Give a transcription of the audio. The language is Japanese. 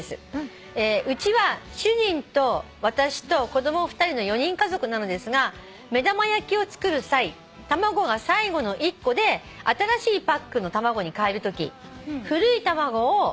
「うちは主人と私と子供２人の４人家族なのですが目玉焼きを作る際卵が最後の１個で新しいパックの卵にかえるとき古い卵を」